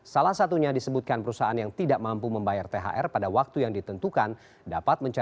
salah satunya disebutkan perusahaan yang tidak mampu membayar thr pada waktu yang ditentukan